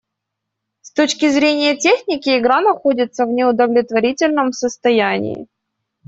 С точки зрения техники, игра находится в неудовлетворительном состоянии.